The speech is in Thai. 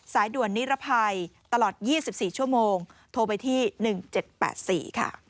สายด่วนนิรภัยตลอด๒๔ชั่วโมงโทรไปที่๑๗๘๔ค่ะ